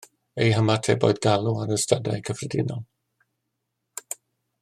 Eu hymateb oedd galw ar y stadau cyffredinol